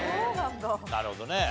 なるほどね。